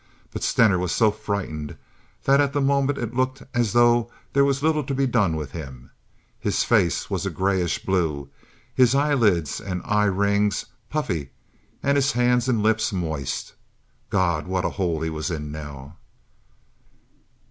But Stener was so frightened that at the moment it looked as though there was little to be done with him. His face was a grayish blue: his eyelids and eye rings puffy and his hands and lips moist. God, what a hole he was in now!